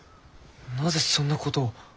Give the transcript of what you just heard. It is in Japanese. なぜそんなことを。